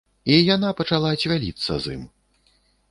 І яна пачала цвяліцца з ім.